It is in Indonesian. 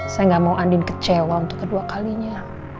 saya gak mau andin kecewa untuk kedua kalinya